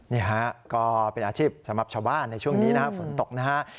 นี่ค่ะก็เป็นอาชีพสมัครชาวบ้านในช่วงนี้นะฝนตกนะฮะ